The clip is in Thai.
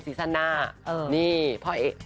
ซีสันหน้า